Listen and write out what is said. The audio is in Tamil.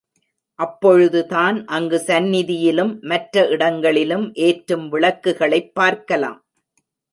அப்பொழுதுதான் அங்கு சந்நிதியிலும் மற்ற இடங்களிலும் ஏற்றும் விளக்குகளைப் பார்க்கலாம்.